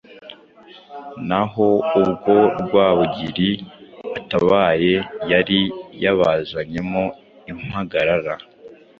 Naho ubwo Rwabugili atabaye, yari yabazanyemo impagarara